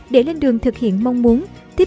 để lên đường thực hiện mong muốn tiếp